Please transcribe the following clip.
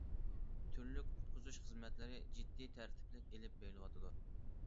تۈرلۈك قۇتقۇزۇش خىزمەتلىرى جىددىي، تەرتىپلىك ئېلىپ بېرىلىۋاتىدۇ.